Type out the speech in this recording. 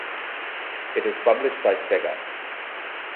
It is published by Sega.